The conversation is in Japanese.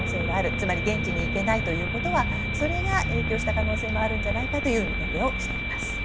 つまり現地に行けないということはそれが影響した可能性があるのではという見立てをしています。